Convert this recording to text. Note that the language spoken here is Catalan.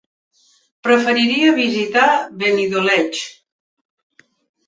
Preferiria visitar Benidoleig.